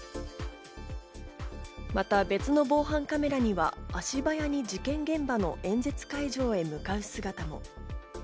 また別の防犯カメラには足早に事件現場の演説会場へ向かう姿も。